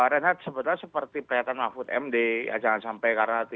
renat sebetulnya seperti perhatian mahfud md jangan sampai karena hati